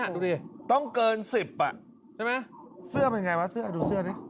ดูดิต้องเกิน๑๐อ่ะใช่ไหมเสื้อเป็นไงวะเสื้อดูเสื้อดิ